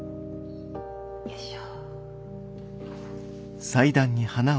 よいしょ。